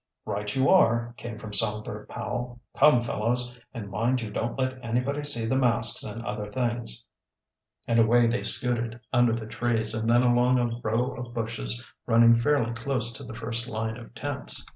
"Right you are," came from Songbird Powell. "Come, fellows, and mind you don't let anybody see the masks and other things." And away they scooted, under the trees and then along a row of bushes running fairly close to the first line of tents.